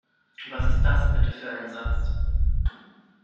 Was ist das bitte für ein Satz?